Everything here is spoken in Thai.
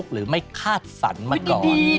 หรือไม่คาดฝันมาก่อน